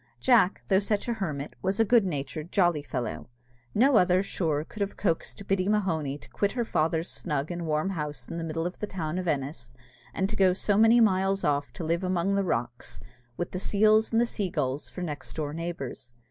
Jack, though such a hermit, was a good natured, jolly fellow. No other, sure, could ever have coaxed Biddy Mahony to quit her father's snug and warm house in the middle of the town of Ennis, and to go so many miles off to live among the rocks, with the seals and sea gulls for next door neighbours.